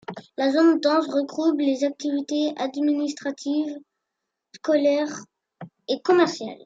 La zone dense regroupe les activités administratives, scolaires et commerciales.